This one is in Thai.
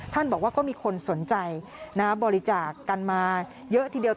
ท่านบอกว่าก็มีคนสนใจนะครับบริจาคกันมาเยอะทีเดียว